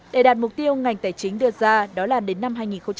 để đạt mục tiêu ngành tài chính đưa ra đó là đến năm hai nghìn hai mươi